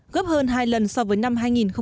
gấp hơn hai lần so với năm hai nghìn một mươi